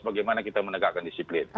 bagaimana kita menegakkan disiplin